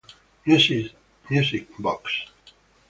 Music Box